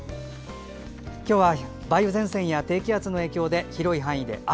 今日は梅雨前線や低気圧の影響で広い範囲で雨。